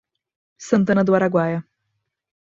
Santana do Araguaia